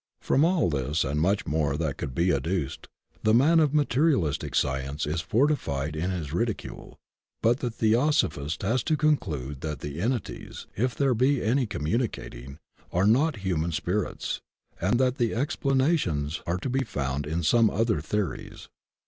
From all this and much more that could be adduced, the man of materialistic science is fortified in his ridi cule, but the theosophist has to conclude that the enti ties, if there be any communicating, are not human OBJECTIONS TO SPIRIT MESSAGES 149 spirits, and that the explanations are to be found in some other theories.